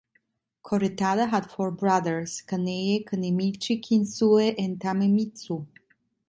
Koretada had four brothers: Kaneie, Kanemichi, Kinsue, and Tamemitsu.